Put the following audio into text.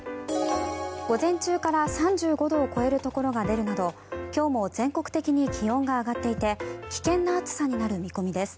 午前中から３５度を超えるところが出るなど今日も全国的に気温が上がっていて危険な暑さになる見込みです。